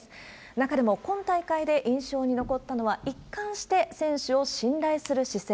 中でも、今大会で印象に残ったのは、一貫して選手を信頼する姿勢。